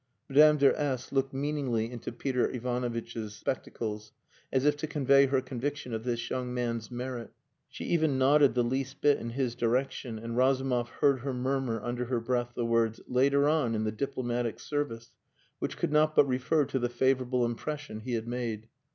Madame de S looked meaningly into Peter Ivanovitch's spectacles, as if to convey her conviction of this young man's merit. She even nodded the least bit in his direction, and Razumov heard her murmur under her breath the words, "Later on in the diplomatic service," which could not but refer to the favourable impression he had made.